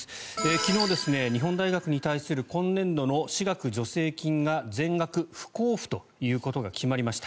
昨日、日本大学に対する今年度の私学助成金が全額不交付ということが決まりました。